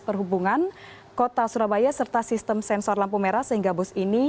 perhubungan kota surabaya serta sistem sensor lampu merah sehingga bus ini